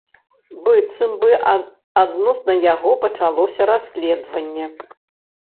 Быццам бы адносна яго пачалося расследаванне.